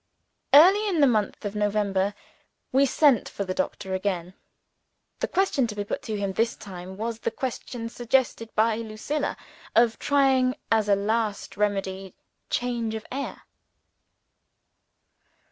Early in the month of November, we sent for the doctor again. The question to be put to him this time, was the question (suggested by Lucilla) of trying as a last remedy change of air.